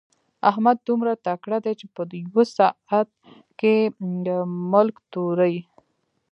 احمد دومره تکړه دی چې په يوه ساعت کې ملک توري.